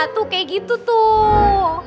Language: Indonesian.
tuh kayak gitu tuh